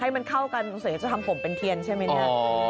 ให้มันเข้ากันสงสัยจะทำผมเป็นเทียนใช่ไหมเนี่ย